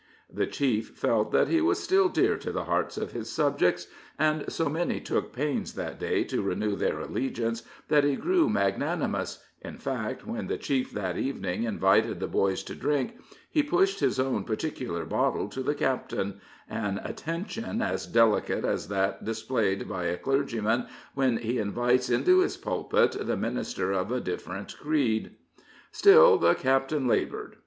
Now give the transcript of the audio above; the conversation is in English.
The chief felt that he was still dear to the hearts of his subjects, and so many took pains that day to renew their allegiance that he grew magnanimous in fact, when the chief that evening invited the boys to drink, he pushed his own particular bottle to the captain an attention as delicate as that displayed by a clergyman when he invites into his pulpit the minister of a different creed. Still the captain labored.